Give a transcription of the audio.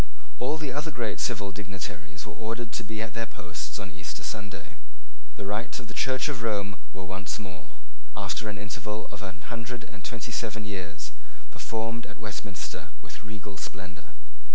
All the other great civil dignitaries were ordered to be at their posts on Easter Sunday. The rites of the Church of Rome were once more, after an interval of a hundred and twenty seven years, performed at Westminster with regal splendour.